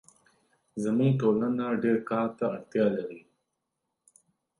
زموږ ټولنه ډېرکار ته اړتیا لري